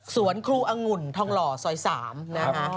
สวนครูอังหุ่นทองหล่อซอย๓นะครับ